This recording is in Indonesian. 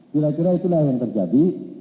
kira kira itulah yang terjadi